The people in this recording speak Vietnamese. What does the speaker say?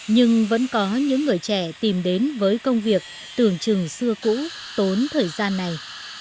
nhưng vẫn có những người trẻ tìm đến với công việc tưởng chừng xưa cũ tốn thời gian này